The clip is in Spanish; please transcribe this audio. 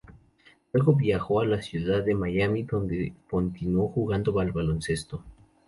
Luego viajó a la ciudad de Miami en donde continuó jugando al baloncesto.